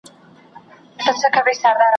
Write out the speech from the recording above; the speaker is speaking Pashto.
ځم راته یو څوک په انتظار دی بیا به نه وینو ,